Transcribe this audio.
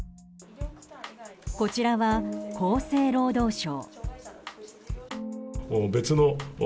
こちらは、厚生労働省。